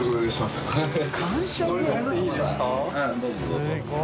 すごい！